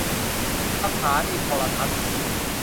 สถานีโทรทัศน์